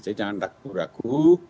jadi jangan ragu ragu